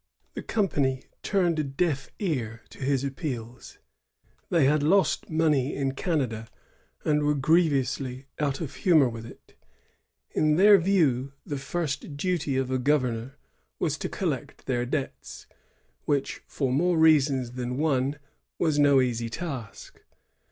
The company turned a deaf ear to his appeals. They had lost money in Canada, and were grievously out of humor with it. In their view, tiie first duty of a governor was to collect their debts, which, for more reasons than one, was no easy task.